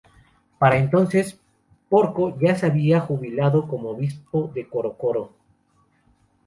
Para entonces, Porco ya se había jubilado como obispo de Corocoro.